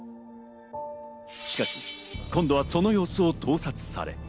しかし今度はその様子を盗撮され。